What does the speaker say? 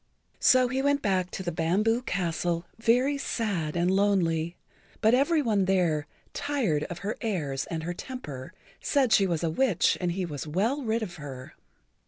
So he went back to the Bamboo Castle very sad and lonely, but every one there, tired of her airs and her temper, said she was a witch and he was well rid of her.